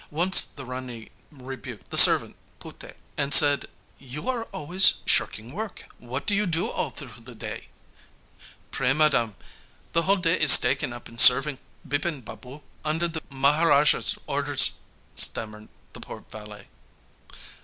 Once the Rani rebuked the servant Puté, and said: 'You are always shirking work; what do you do all through the day?' 'Pray, madam, the whole day is taken up in serving Bipin Babu under the Maharaja's orders,' stammered the poor valet.